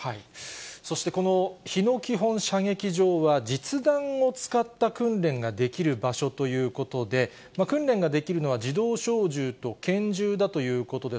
そして、この日野基本射撃場は、実弾を使った訓練ができる場所ということで、訓練ができるのは自動小銃と拳銃だということです。